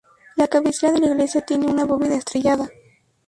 La cabecera de la iglesia tiene una bóveda estrellada.